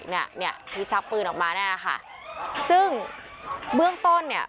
เนี่ยเนี่ยที่ชักปืนออกมาแน่นะคะซึ่งเบื้องต้นเนี่ย